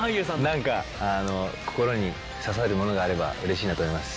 何か心に刺さるものがあればうれしいなと思います。